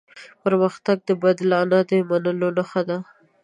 پرمختګ د بدلانه د منلو نښه ده.